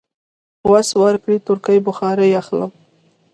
وس ورکړ، تورکي بخارۍ اخلم.